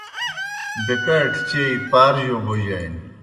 بکاٹِیْ چئیی پار جوْ بوجانیْ۔